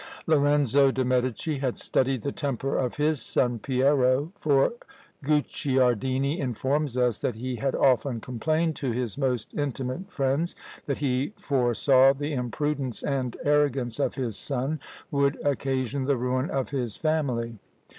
Lorenzo de' Medici had studied the temper of his son Piero; for Guicciardini informs us that he had often complained to his most intimate friends that "he foresaw the imprudence and arrogance of his son would occasion the ruin of his family."